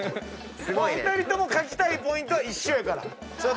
お二人とも描きたいポイントは一緒やから。